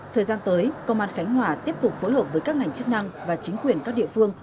thời gian tới công an khánh hòa tiếp tục phối hợp với các ngành chức năng và chính quyền các địa phương